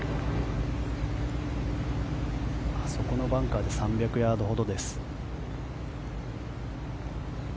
あそこのバンカーで３００ヤードほどです。